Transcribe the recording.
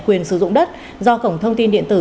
quyền sử dụng đất do cổng thông tin điện tử